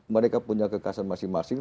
mereka punya kekasan masing masing